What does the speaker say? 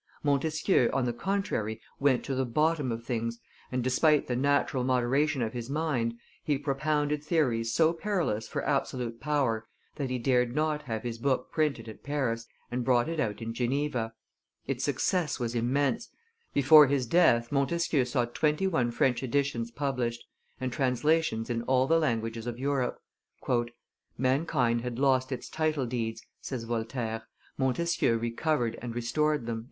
Montesquieu, on the contrary, went to the bottom of things, and, despite the natural moderation of his mind, he propounded theories so perilous for absolute power that he dared not have his book printed at Paris, and brought it out in Geneva; its success was immense; before his death, Montesquieu saw twenty one French editions published, and translations in all the languages of Europe. "Mankind had lost its titledeeds," says Voltaire; "Montesquieu recovered and restored them."